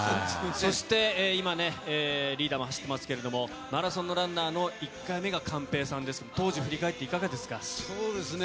そして、今ね、リーダーも走ってますけれども、マラソンのランナーの１回目が寛平さんですが、当時を振り返っていかがですか？